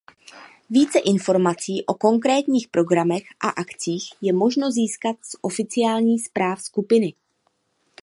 Více informací o konkrétních programech a akcích je možno získat z oficiální zpráv skupiny.